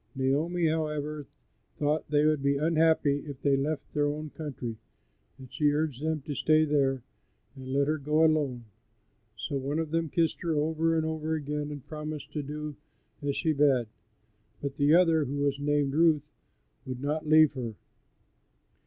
Naomi, however, thought they would be unhappy if they left their own country, and she urged them to stay there and let her go alone; so one of them kissed her over and over again and promised to do as she bade; but the other, who was named Ruth, would not leave her.